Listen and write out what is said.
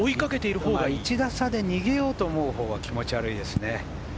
１打差で逃げようと思うほうが気持ち悪いですね。